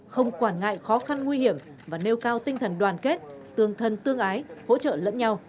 không quản ngại khó khăn nguy hiểm và nêu cao tinh thần đoàn kết tương thân tương ái hỗ trợ lẫn nhau